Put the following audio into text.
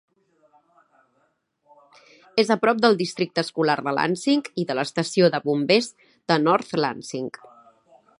És a prop del Districte Escolar de Lansing, i de l'estació de bombers de North Lansing.